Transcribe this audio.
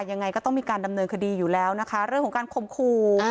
ยังไงก็ต้องมีการดำเนินคดีอยู่แล้วนะคะเรื่องของการข่มขู่